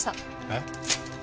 えっ？